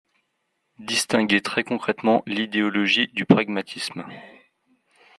distinguer très concrètement l’idéologie du pragmatisme.